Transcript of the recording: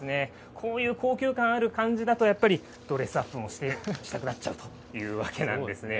こういう高級感ある感じだとやっぱりドレスアップもしたくなっちゃうというわけなんですね。